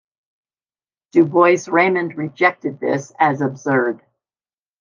Du Bois-Reymond rejected this as absurd.